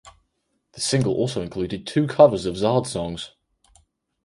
The single also included two new covers of Zard songs.